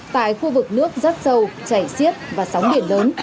tại khu vực nước rắt sâu chảy xiết và sóng biển lớn